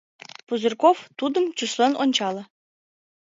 Пузырьков тудым тӱслен ончале.